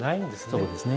そうですね。